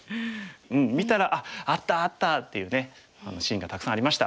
うん見たら「あっあったあった！」っていうねシーンがたくさんありました。